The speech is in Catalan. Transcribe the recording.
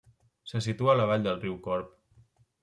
Se situa a la vall del riu Corb.